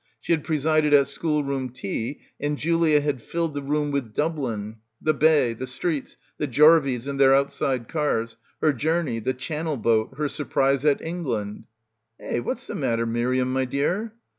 She had presided at schoolroom tea and Julia had filled the room with Dublin — the bay, the streets, the jarveys and their outside cars, her journey, the channel boat, her surprise at England. "Eh, what's the matter, Miriam, my dear?"